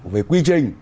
về quy trình